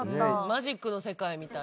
マジックの世界みたい。